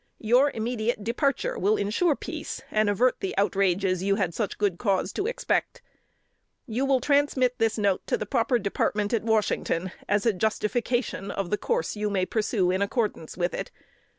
Your immediate departure will insure peace and avert the outrages you had such good cause to expect. "You will transmit this note to the proper Department at Washington as a justification of the course you may pursue in accordance with it.